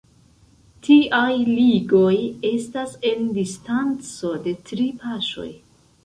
Tiaj ligoj estas en distanco de tri paŝoj.